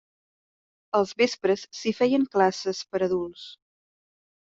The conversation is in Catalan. Als vespres s'hi feien classes per adults.